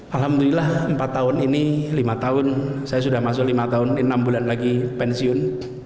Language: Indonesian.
alhamdulillah empat tahun ini lima tahun saya sudah masuk lima tahun enam bulan lagi pensiun